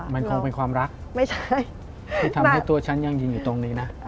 มันคงเป็นความรักไม่ใช่ที่ทำให้ตัวฉันยังยืนอยู่ตรงนี้นะ